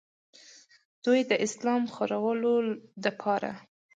دوي د اسلام خورولو دپاره